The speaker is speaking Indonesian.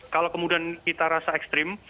kalau kemudian kita rasa ekstrim